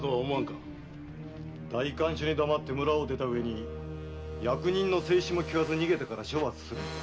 代官所に黙って村を出たうえに役人の制止も聞かず逃げたから処罰するのだ。